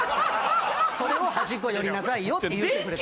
それを「端っこ寄りなさいよ」って言ってくれて。